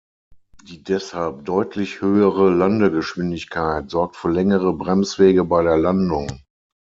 Die deshalb deutlich höhere Landegeschwindigkeit sorgt für längere Bremswege bei der Landung.